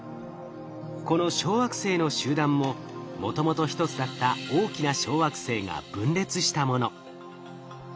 この小惑星の集団ももともと一つだった大きな小惑星が分裂したもの。